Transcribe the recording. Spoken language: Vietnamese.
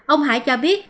ông hải cho biết